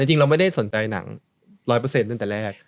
จริงเราไม่ได้สนใจหนัง๑๐๐ตั้งแต่แรก